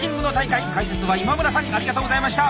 解説は今村さんありがとうございました。